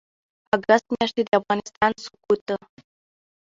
اګسټ میاشتې د افغانستان سقوط